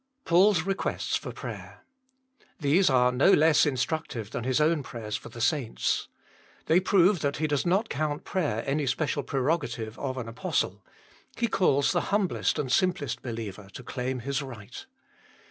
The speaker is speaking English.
PAUL A PATTKKN OF PRAYER 163 PAUL S BEQUESTS FOR PRAYER. These are no less instructive than his own prayers for the saints. They prove that he does not count prayer any special prerogative of an apostle ; he calls the humblest and simplest believer to claim his right.